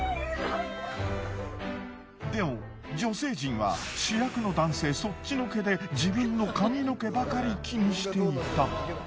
でも女性陣は主役の男性そっちのけで自分の髪の毛ばかり気にしていた。